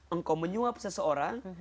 engkau menyuap seseorang